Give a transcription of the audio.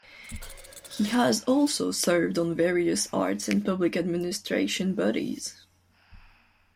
He has also served on various arts and public administration bodies.